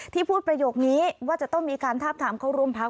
พูดประโยคนี้ว่าจะต้องมีการทาบทามเข้าร่วมพัก